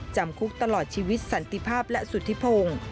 จำคุกตลอดชีวิตสันติภาพและสุธิพงศ์